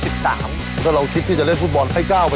ก็เราคิดที่จะเล่นฟุตบอลให้ก้าวไป